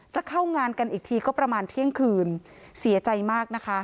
จะเข้างานกันอีกทีก็ประมาณเที่ยงคืน